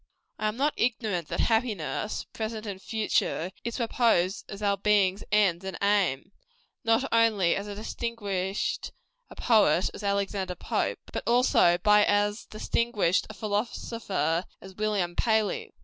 I am not ignorant that happiness present and future is proposed as our "being's end and aim," not only by as distinguished a poet as Alexander Pope, but also by as distinguished a philosopher as William Paley.